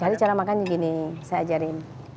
jadi cara makan gini saya ajarin